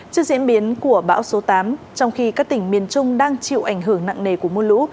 trước diễn biến của bão số tám trong khi các tỉnh miền trung đang chịu ảnh hưởng nặng nề của mưa lũ